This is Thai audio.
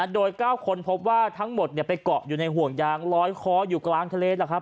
โดย๙คนพบว่าทั้งหมดไปเกาะอยู่ในห่วงยางลอยคออยู่กลางทะเล